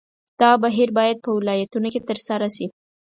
دا بهیر باید په ولایتونو کې ترسره شي.